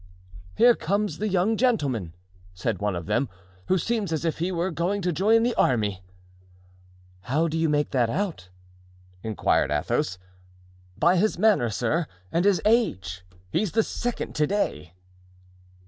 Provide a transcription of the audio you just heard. "Here comes a young gentleman," said one of them, "who seems as if he were going to join the army." "How do you make that out?" inquired Athos. "By his manner, sir, and his age; he's the second to day."